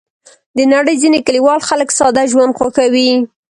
د نړۍ ځینې کلیوال خلک ساده ژوند خوښوي.